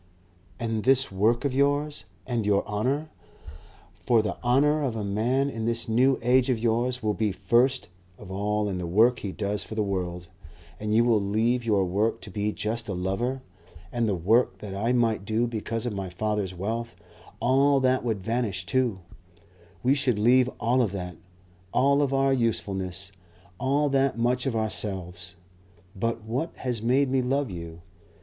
"And this work of yours? And your honour? For the honour of a man in this New Age of yours will be first of all in the work he does for the world. And you will leave your work to be just a lover. And the work that I might do because of my father's wealth; all that would vanish too. We should leave all of that, all of our usefulness, all that much of ourselves. But what has made me love you?